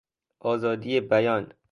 آزادی بیان